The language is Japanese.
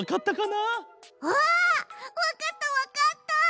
あわかったわかった！